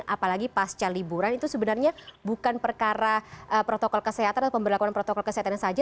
apalagi pasca liburan itu sebenarnya bukan perkara protokol kesehatan atau pemberlakuan protokol kesehatan saja